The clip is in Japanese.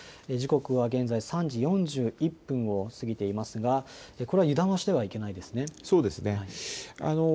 時刻は現在、３時４１分を過ぎていますが油断をしてはいけないですね。